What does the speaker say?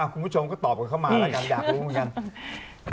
คุณผู้ชมก็ตอบกันเข้ามาแล้วกันอยากรู้เหมือนกัน